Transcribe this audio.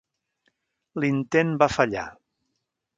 L'intent va fallar.